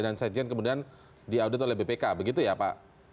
dan sekjen kemudian diaudit oleh bpk begitu ya pak